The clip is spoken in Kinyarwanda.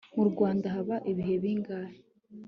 mu rwanda haba ibihe bingahe